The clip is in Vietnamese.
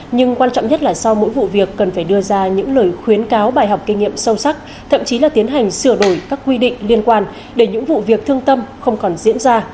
nhưng quan trọng nhất là sau mỗi vụ việc cần phải đưa ra những lời khuyến cáo bài học kinh nghiệm sâu sắc thậm chí là tiến hành sửa đổi các quy định liên quan để những vụ việc thương tâm không còn diễn ra